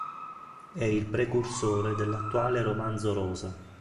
È il precursore dell'attuale romanzo rosa.